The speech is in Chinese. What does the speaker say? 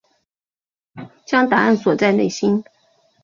将答案锁在内心